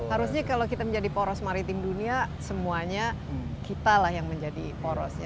harusnya kalau kita menjadi poros maritim dunia semuanya kita lah yang menjadi porosnya